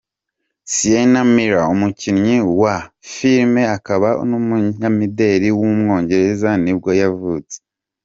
Sienna Miller, umukinnyikazi wa filime akaba n’umunyamideli w’umwongereza nibwo yavutse.